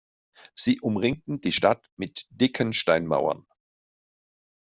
Sie umringten die Stadt mit dicken Steinmauern.